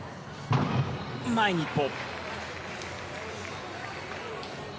前に１歩。